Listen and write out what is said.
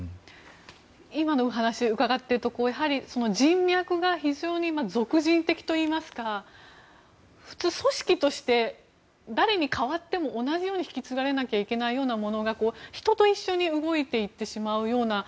今のお話を伺っているとやはり人脈が非常に属人的といいますか普通、組織として誰に代わっても同じように引き継がれないといけないようなことが人で動いてしまう。